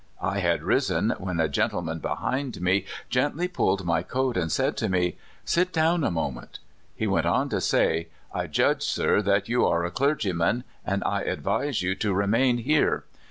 I had risen, when a gen tleman behind me gently pulled my coat, and said to me, 'Sit down a moment/ He went on to say: 'I judge, sir, you are a clergyman; and I advise you to remain here.